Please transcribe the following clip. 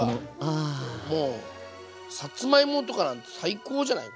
もうさつまいもとかなんて最高じゃない？